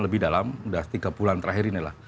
lebih dalam sudah tiga bulan terakhir inilah